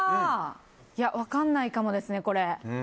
分からないかもですね、これ。